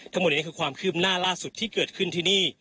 ทั้งหมดนี้คือความคืบหน้าล่าสุดที่เกิดขึ้นที่นี่